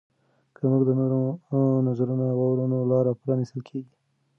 که موږ د نورو نظرونه واورو نو لاره پرانیستل کیږي.